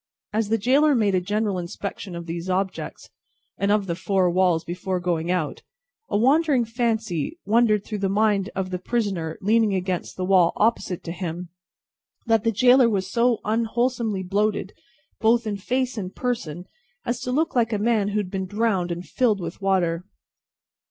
As the gaoler made a general inspection of these objects, and of the four walls, before going out, a wandering fancy wandered through the mind of the prisoner leaning against the wall opposite to him, that this gaoler was so unwholesomely bloated, both in face and person, as to look like a man who had been drowned and filled with water.